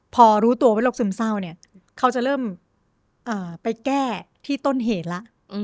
พอรู้ตัวว่าโรคซึมเศร้าเนี่ยเขาจะเริ่มไปแก้ที่ต้นเหตุแล้ว